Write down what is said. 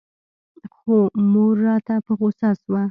خو مور راته په غوسه سوه.